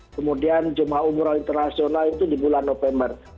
kemudian jemaah umroh internasional itu di bulan november